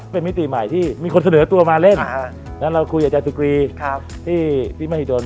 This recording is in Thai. เป็นมิติใหม่ที่มีคนเสนอตัวมาเล่นแล้วเราคุยกับอาจารย์สุกรีที่มหิดล